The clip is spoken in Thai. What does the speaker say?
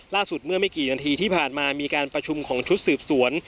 ล่าสุดเมื่อไม่กี่นาทีที่ผ่านมามีการประชุมของชุดสืบสวน